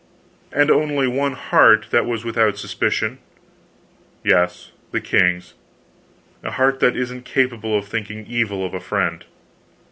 " and only one heart that was without suspicion " "Yes the king's; a heart that isn't capable of thinking evil of a friend."